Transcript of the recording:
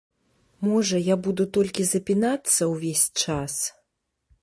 Можа, я буду толькі запінацца ўвесь час?